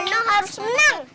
bandung harus menang